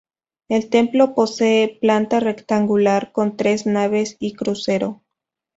El templo posee planta rectangular con tres naves y crucero.